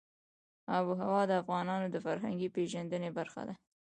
آب وهوا د افغانانو د فرهنګي پیژندنې برخه ده.